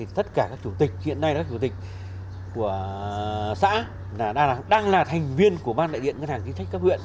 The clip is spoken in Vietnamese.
tất cả các chủ tịch hiện nay các chủ tịch của xã đang là thành viên của ban đại điện ngân hàng chính sách các huyện